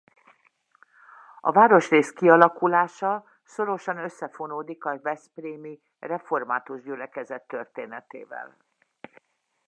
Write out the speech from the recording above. A városrész kialakulása szorosan összefonódik a veszprémi református gyülekezet történetével.